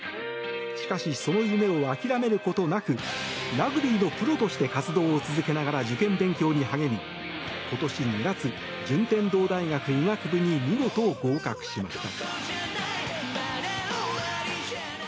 しかしその夢を諦めることなくラグビーのプロとして活動を続けながら受験勉強に励み、今年２月順天堂大学医学部に見事、合格しました。